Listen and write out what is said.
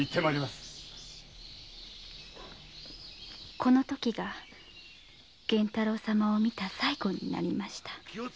この時が源太郎様を見た最後になりました。